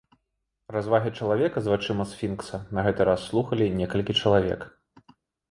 Развагі чалавека з вачыма сфінкса на гэты раз слухалі некалькі чалавек.